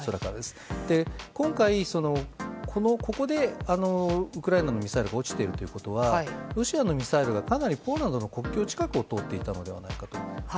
今回、ここでウクライナのミサイルが落ちているということはロシアのミサイルがかなりポーランドの国境近くを通っていたのではないかと。